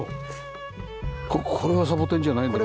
これはサボテンじゃないのかな？